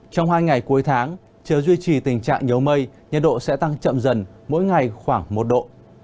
trong hai ngày cuối tháng trời duy trì tình trạng nhớ mây nhiệt độ sẽ tăng chậm dần mỗi ngày khoảng một độ